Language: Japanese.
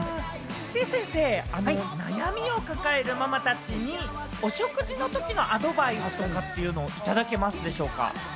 てぃ先生、悩みを抱えるママたちに、お食事の時のアドバイスいただけますでしょうか？